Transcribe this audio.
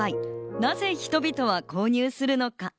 なぜ人々は購入するのか？